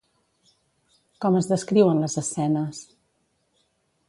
Com es descriuen les escenes?